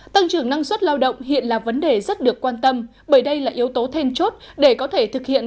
tăng trưởng năng suất lao động hiện là vấn đề rất được quan tâm bởi đây là yếu tố then chốt để có thể thực hiện